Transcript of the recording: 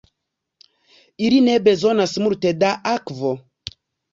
Ili ne bezonas multe da akvo.